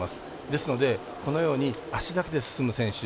ですので、このように足だけで進む選手。